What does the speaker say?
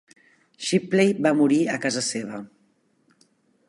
Shipley va morir a casa seva.